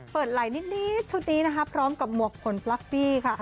เปิดไหล่นิดชุดนี้นะครับพร้อมกับหมวกฝนฟลัคพี้